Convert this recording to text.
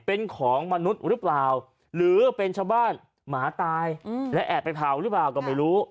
เป็นของมนุษย์หรือเปล่าหรือเป็นชาวบ้านหมาตายและแอบไปเผาหรือเปล่าก็ไม่รู้